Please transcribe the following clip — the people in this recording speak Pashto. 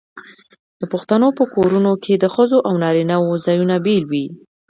د پښتنو په کورونو کې د ښځو او نارینه وو ځایونه بیل وي.